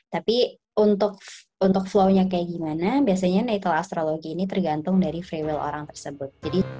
tapi untuk flow nya kayak gimana biasanya natal astrologi ini tergantung dari free will orang tersebut